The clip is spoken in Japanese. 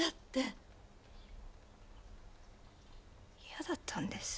嫌だったんです。